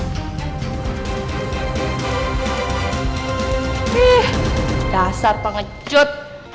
ih dasar pengecut